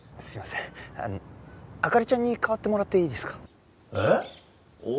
すいません灯ちゃんに代わってもらっていいですか？